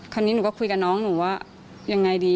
หนูก็คุยกับน้องหนูว่ายังไงดี